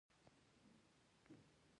د ښار ښکلا د سیاحانو د راجلبولو سبب ګرځي.